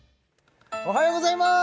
おはようございます